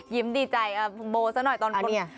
ยิ้มดีใจโบส์สักหน่อย